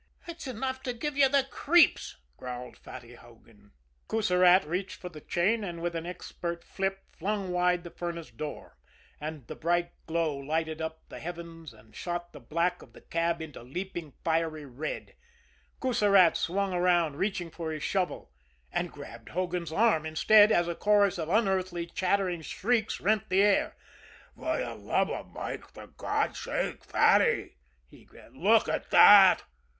"It's enough to give you the creeps," growled Fatty Hogan. Coussirat reached for the chain, and with an expert flip flung wide the furnace door and the bright glow lighted up the heavens and shot the black of the cab into leaping, fiery red. Coussirat swung around, reaching for his shovel and grabbed Hogan's arm instead, as a chorus of unearthly, chattering shrieks rent the air. "For the love of Mike, for God's sake, Fatty," he gasped, "look at that!"